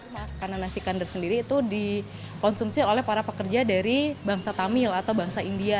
karena nasi kandar sendiri itu dikonsumsi oleh para pekerja dari bangsa tamil atau bangsa india